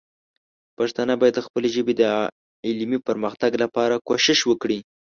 پښتانه باید د خپلې ژبې د علمي پرمختګ لپاره کوښښ وکړي.